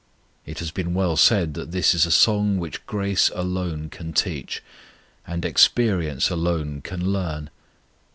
It has been well said that this is a song which grace alone can teach, and experience alone can learn.